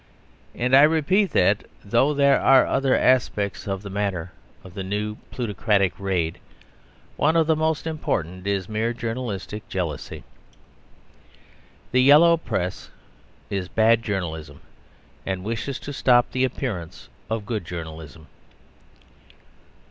And I repeat that, though there are other aspects of the matter of the new plutocratic raid, one of the most important is mere journalistic jealousy. The Yellow Press is bad journalism: and wishes to stop the appearance of good journalism.